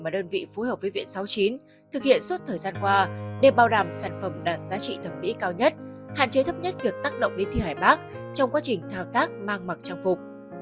đơn vị phối hợp với viện sáu mươi chín thực hiện suốt thời gian qua để bảo đảm sản phẩm đạt giá trị thẩm mỹ cao nhất hạn chế thấp nhất việc tác động đến thi hải bác trong quá trình thao tác mang mặc trang phục